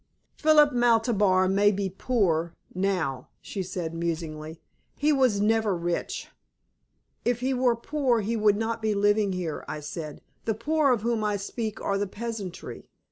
"Philip Maltabar may be poor now," she said musingly. "He was never rich." "If he were poor, he would not be living here," I said. "The poor of whom I speak are the peasantry.